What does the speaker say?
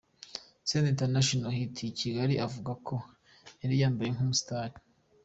Senderi International Hit i Kigali avuga ko yari yambaye nk’umustar.